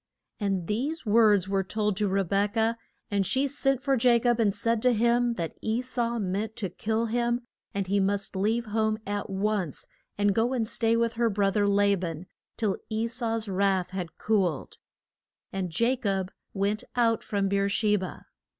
] And these words were told to Re bek ah, and she sent for Ja cob and said to him that E sau meant to kill him, and he must leave home at once and go and stay with her bro ther La ban till E sau's wrath had cooled. And Ja cob went out from Beer she ba.